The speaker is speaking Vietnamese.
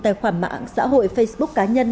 tài khoản mạng xã hội facebook cá nhân